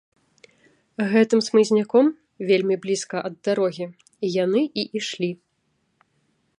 Гэтым хмызняком, вельмі блізка ад дарогі, яны і ішлі.